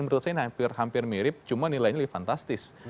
menurut saya hampir mirip cuma nilainya lebih fantastis